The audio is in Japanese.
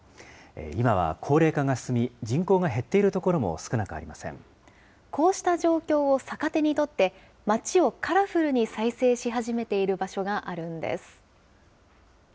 今は高齢化が進み、人口が減ってこうした状況を逆手にとって、町をカラフルに再生し始めている場所があるんです。